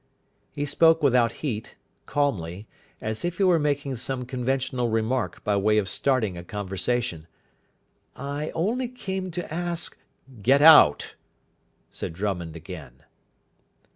He spoke without heat, calmly, as if he were making some conventional remark by way of starting a conversation. "I only came to ask " "Get out," said Drummond again.